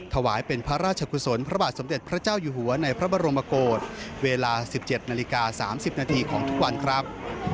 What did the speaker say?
ถวายเป็นพระราชกุศลพระบาทสมเด็จพระเจ้าอยู่หัวในพระบรมโกศเวลา๑๗นาฬิกา๓๐นาทีของทุกวันครับ